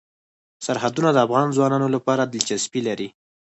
سرحدونه د افغان ځوانانو لپاره دلچسپي لري.